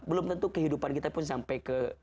belum tentu kehidupan kita pun sampai ke